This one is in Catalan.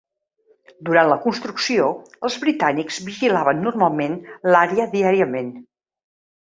Durant la construcció, els britànics vigilaven normalment l'àrea diàriament.